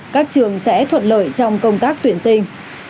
các trường sẽ thuận lợi trong công tác tuyển sinh